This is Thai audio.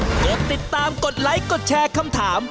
กดติดตามกดไลค์กดแชร์คำถาม